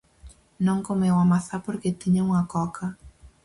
Non comeu a mazá porque tiña unha coca.